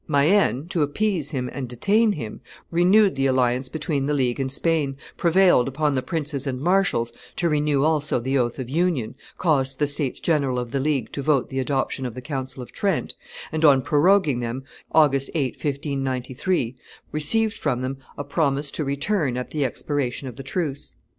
Mayenne, to appease him and detain him, renewed the alliance between the League and Spain, prevailed upon the princes and marshals to renew also the oath of union, caused the states general of the League to vote the adoption of the Council of Trent, and, on proroguing them, August 8, 1593, received from them a promise to return at the expiration of the truce.